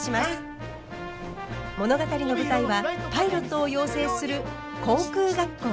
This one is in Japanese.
物語の舞台はパイロットを養成する航空学校。